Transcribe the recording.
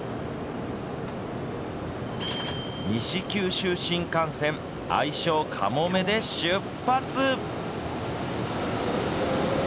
西九州新幹線、愛称かもめで出発。